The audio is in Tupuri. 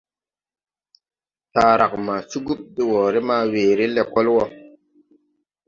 Taarag ma cugum de wɔɔre ma weere lɛkɔl wɔ.